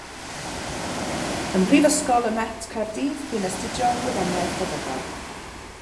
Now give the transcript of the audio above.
Ym Mhrifysgol y Met, Caerdydd bu'n astudio Gwyddoniaeth Feddygol.